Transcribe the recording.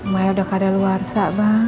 maik udah kadaluarsa bang